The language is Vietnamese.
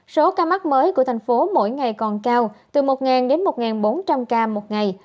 số ca mắc mới của thành phố mỗi ngày còn cao từ một đến một bốn trăm linh ca một ngày